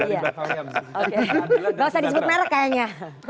nggak usah disebut merek kayaknya